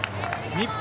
日本